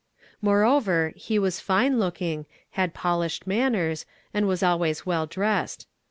Moreover, he was fine looking, had polished mannei"s, and was always A\'ell dressed.